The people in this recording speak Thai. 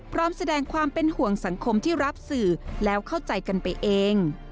พร้อมแสดงความเป็นห่วงสังคมที่รับสื่อแล้วเข้าใจกันไปเอง